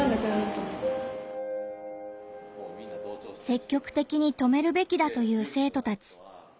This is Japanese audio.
積極的に止めるべきだと言う生徒たち。